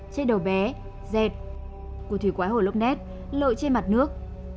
trên đầu bé dẹt của thủy quái hồ lúc nét lội trên mặt nước